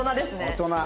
大人。